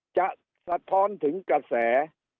สะท้อนถึงกระแส